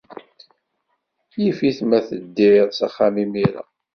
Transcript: Yif-it ma teddiḍ s axxam imir-a.